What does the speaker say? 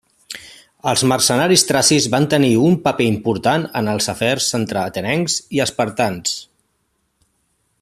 Els mercenaris tracis van tenir un paper important en els afers entre atenencs i espartans.